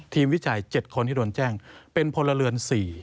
วิจัย๗คนที่โดนแจ้งเป็นพลเรือน๔